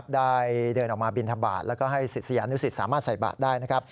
ได้เดินออกมาบินทบาทแล้วก็ให้ศิษยานุสิตสามารถใส่บาทได้